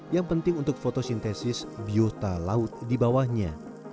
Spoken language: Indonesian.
yang penting untuk fotosintesis biota laut di bawahnya